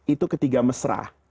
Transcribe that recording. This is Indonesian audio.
itu ketiga mesrah